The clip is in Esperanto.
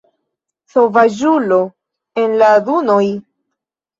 Sovaĝulo en la dunoj!?